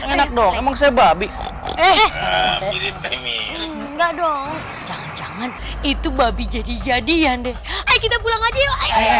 enggak dong itu babi jadi jadi andi kita pulang aja